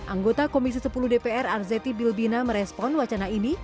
anggota komisi sepuluh dpr arzeti bilbina merespon wacana ini